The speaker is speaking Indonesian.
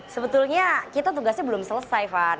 sebetulnya kita tugasnya belum selesai van